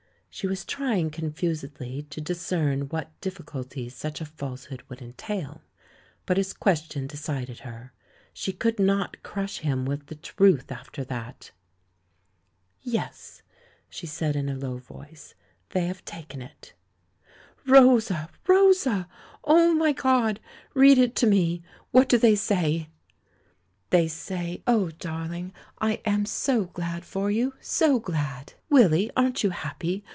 She was trying confusedly to discern what dif ficulties such a falsehood would entail, but his question decided her — she could not crush him with the truth after that ! "Yes," she said in a low voice, "they have tak en it." "Rosa, Rosa! Oh, my God! Read it to me! What do they say?" "They say. ... Oh, darling, I am so glad for you, so glad! Willy, aren't you happy?